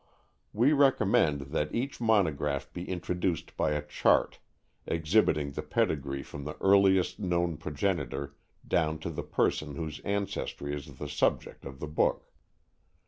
We recommend that each monograph be introduced by a chart, exhibiting the pedigree from the earliest known progenitor down to the person whose ancestry is the subject of the book.